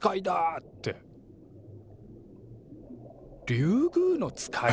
「リュウグウノツカイ？」